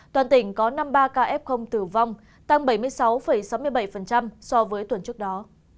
toàn tỉnh có năm mươi ba ca f tử vong tăng bảy mươi sáu sáu mươi bảy so với tuần trước đó